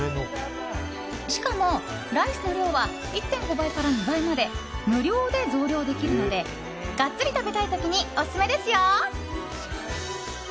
しかもライスの量は１．５倍から２倍まで無料で増量できるのでガッツリ食べたい時にオススメですよ。